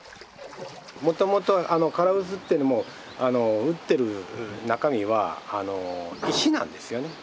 もともと唐臼ってのも打ってる中身は石なんですよね。